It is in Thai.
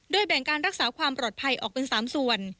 แบ่งการรักษาความปลอดภัยออกเป็น๓ส่วน